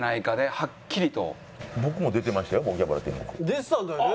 出てたんだよね？